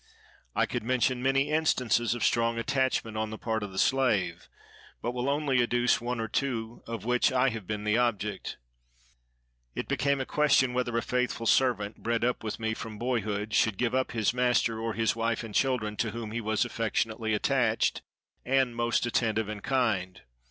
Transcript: I could mention many instances of strong attachment on the part of the slave, but will only adduce one or two, of which I have been the object. It became a question whether a faithful servant, bred up with me from boyhood, should give up his master or his wife and children, to whom he was affectionately attached, and most attentive and kind.